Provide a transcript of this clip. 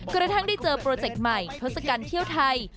กระทั่งได้เจอโปรเจคใหม่ทศกัณฐ์เที่ยวไทย